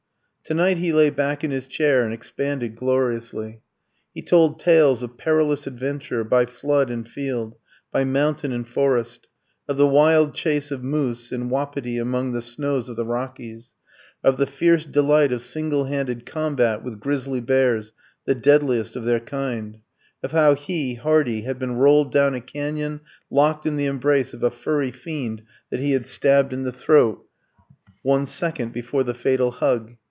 To night he lay back in his chair and expanded gloriously. He told tales of perilous adventure by flood and field, by mountain and forest; of the wild chase of moose and wapiti among the snows of the Rockies; of the fierce delight of single handed combat with grizzly bears, the deadliest of their kind; of how he, Hardy, had been rolled down a cañon, locked in the embrace of a furry fiend that he had stabbed in the throat one second before the fatal hug.